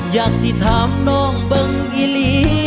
อยากสิถามน้องเบิ้งอีหลี